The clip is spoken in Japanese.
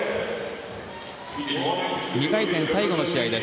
２回戦、最後の試合です。